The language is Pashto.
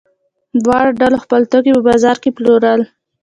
دواړو ډلو خپل توکي په بازار کې پلورل.